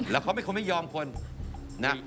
แล้วเขาไม่คงไม่ยอมคน